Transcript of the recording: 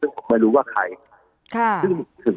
ซึ่งผมไม่รู้ว่าใคร